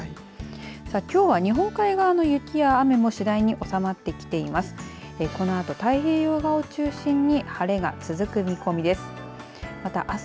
さあ、きょうは日本海側の雪や雨も次第におさまってきています。